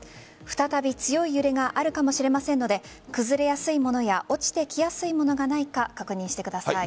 再び強い揺れがあるかもしれませんので崩れやすいものや落ちてきやすいものがないか確認してください。